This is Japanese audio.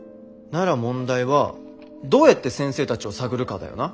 なら問題はどうやって先生たちを探るかだよな。